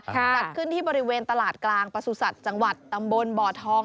จัดขึ้นที่บริเวณตลาดกลางประสุทธิ์จังหวัดตำบลบ่อทอง